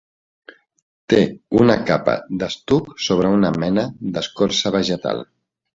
Té una capa d'estuc sobre una mena d'escorça vegetal.